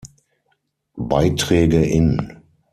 Beiträge in